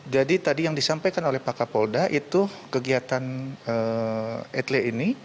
jadi tadi yang disampaikan oleh pak kapolda itu kegiatan yang diperlukan